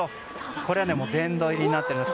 これは殿堂入りになっています。